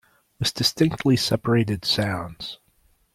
With distinctly separated sounds